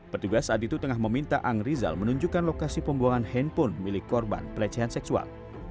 pertugas saat itu tengah meminta anrizal menunjukkan lokasi pembuangan handphone milik korban pelecehan seksual